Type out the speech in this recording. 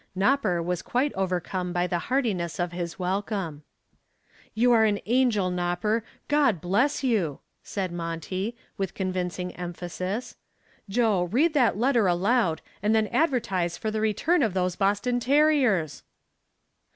"Nopper" was quite overcome by the heartiness of his welcome. "You are an angel, Nopper, God bless you!" said Monty, with convincing emphasis. "Joe, read that letter aloud and then advertise for the return of those Boston terriers!"